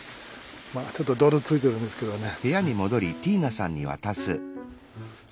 ちょっと泥ついてるんですけどね。